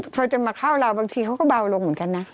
พอจะมาเข้าเราบางทีเขาก็เบาลงเหมือนกันนะ